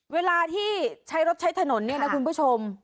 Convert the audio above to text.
เวลาที่ใช้รถใช้ถนนเนี่ยนะคุณผู้ชม